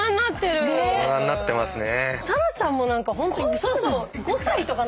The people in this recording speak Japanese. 大人になってますね。